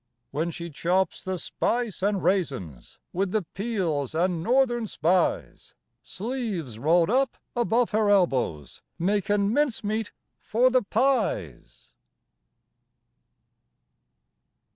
When she chops the spice an' raisins, With the peels an' Northern Spies, Sleeves rolled up above her elbows, Makin' mincemeat for the pies.